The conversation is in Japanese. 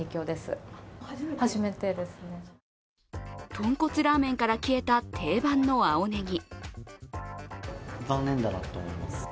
とんこつラーメンから消えた定番の青ねぎ。